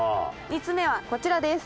３つ目はこちらです。